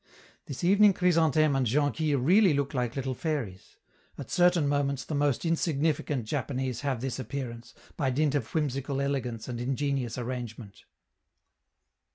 This evening Chrysantheme and Jonquille really look like little fairies; at certain moments the most insignificant Japanese have this appearance, by dint of whimsical elegance and ingenious arrangement.